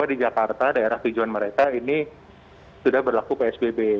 jadi di jakarta daerah tujuan mereka ini sudah berlaku psbb